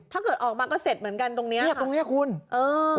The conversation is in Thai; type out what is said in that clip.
ถ้าเกิดออกมาก็เสร็จเหมือนกันตรงเนี้ยเนี้ยตรงเนี้ยคุณเออ